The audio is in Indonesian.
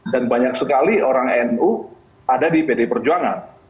dan banyak sekali orang nu ada di pd perjuangan